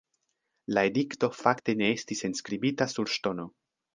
La edikto fakte ne estis enskribita sur ŝtono.